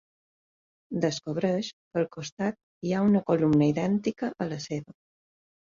Descobreix que al costat hi ha una columna idèntica a la seva.